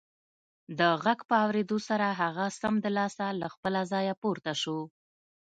د غږ په اورېدو سره هغه سمدلاسه له خپله ځايه پورته شو